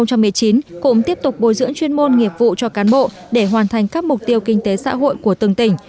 năm hai nghìn một mươi chín cụm tiếp tục bồi dưỡng chuyên môn nghiệp vụ cho cán bộ để hoàn thành các mục tiêu kinh tế xã hội của từng tỉnh